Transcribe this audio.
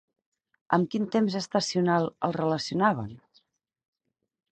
Amb quin temps estacional el relacionaven?